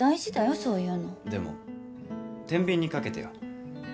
そういうのでもてんびんにかけてよ